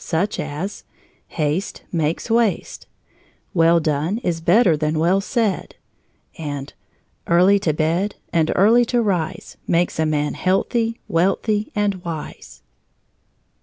Such as: "Haste makes waste"; "Well done is better than well said"; and "Early to bed and early to rise, makes a man healthy, wealthy, and wise."